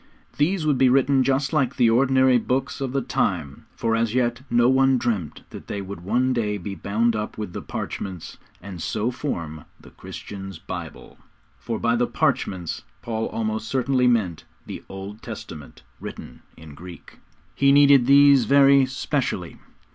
These would be written just like the ordinary books of the time, for as yet no one dreamt that they would one day be bound up with the 'parchments,' and so form the Christians' Bible. For by the 'parchments' Paul almost certainly meant the Old Testament written in Greek. He needed these very 'specially.'